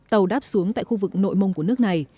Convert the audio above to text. tàu đáp xuống tại khu vực nội mông của nước này